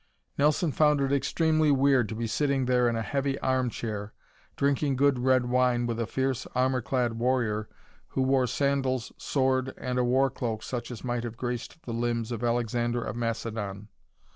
Nelson found it extremely weird to be sitting there in a heavy arm chair, drinking good red wine with a fierce armor clad warrior who wore sandals, sword and a war cloak such as might have graced the limbs of Alexander of Macedon.